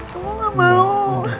kamu gak mau